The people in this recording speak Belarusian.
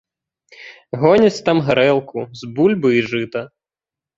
Гоняць там гарэлку з бульбы і жыта.